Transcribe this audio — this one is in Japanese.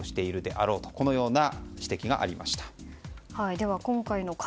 この点も影響しているであろうとこのような指摘がありました。